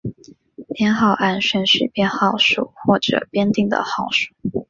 编号按顺序编号数或者编定的号数。